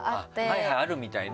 はいはいあるみたいね。